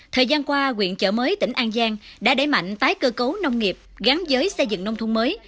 thời gian qua quyện chợ mới tỉnh an giang đã đẩy mạnh tái cơ cấu nông nghiệp gắn với xây dựng nông thôn mới